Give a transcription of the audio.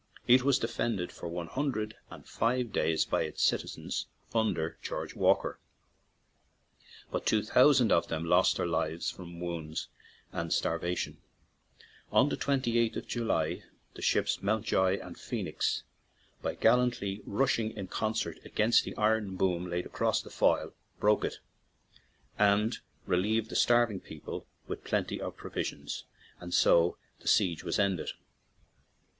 It was defended for one hundred and five days by its citizens under George Walker, but two thousand of them lost their lives from wounds and starvation. On the 28th 6 NEW YORK TO LONDONDERRY of July, the ships Mountjoy and Phoenix, by gallantly rushing in concert against the iron boom laid across the Foyle, broke it and relieved the starving people with plenty of provisions; and so the siege was ended.